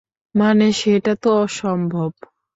মানে, সেটা তো সম্ভব।